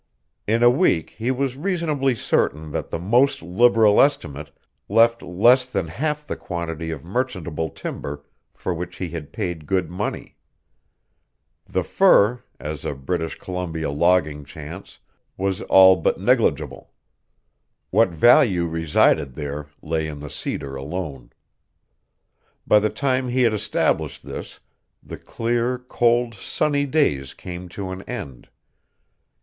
In a week he was reasonably certain that the most liberal estimate left less than half the quantity of merchantable timber for which he had paid good money. The fir, as a British Columbia logging chance, was all but negligible. What value resided there lay in the cedar alone. By the time he had established this, the clear, cold, sunny days came to an end.